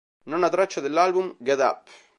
Nona traccia dell'album, "Get Up!